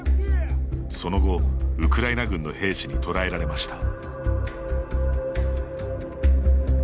その後、ウクライナ軍の兵士に捕らえられました。